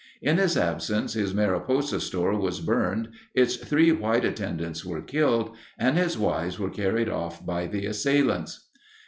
In his absence his Mariposa store was burned, its three white attendants were killed, and his wives were carried off by the assailants.